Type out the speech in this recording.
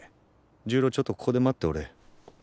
重郎ちょっとここで待っておれ。